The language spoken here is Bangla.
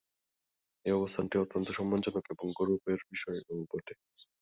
এ অবস্থানটি অত্যন্ত সম্মানজনক এবং গৌরবের বিষয়ও বটে।